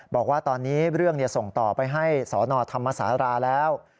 บอกว่าตอนนี้เรื่องส่งต่อไปให้สนธรรมศาลาแล้ว